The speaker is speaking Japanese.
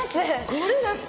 これだって。